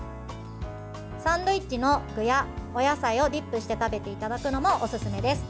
サンドイッチの具やお野菜をディップして食べていただくのもおすすめです。